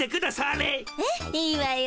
いいわよ。